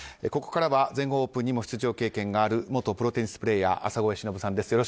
ここからは全豪オープンにも出場経験がある元プロテニスプレーヤー浅越しのぶさんです。